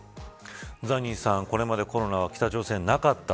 ザニーさん、これまでコロナは北朝鮮なかった。